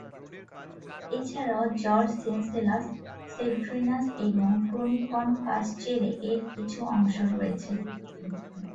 এছাড়াও George Syncellus, Cedrenus এবং ক্রনিকন পাসচেলে এর কিছু অংশ রয়েছে।